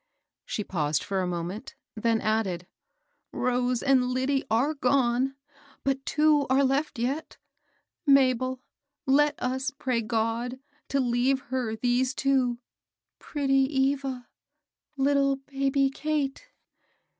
She paused for a moment, then added, —^^ Rose and Lyddie are gone ; but two are lefl yet. Mabel, let us pray God to leave her these two, — pretty Eva ! Uttle baby Kate